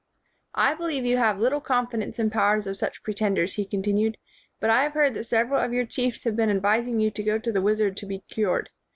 "I believe you have little confidence in the powers of such pretenders," he continued, '' but I have heard that several of your chiefs have been advising you to go to the wizard to be cured.